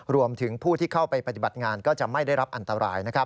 รวมถึงผู้ที่เข้าไปปฏิบัติงานก็จะไม่ได้รับอันตราย